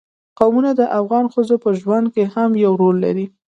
قومونه د افغان ښځو په ژوند کې هم یو رول لري.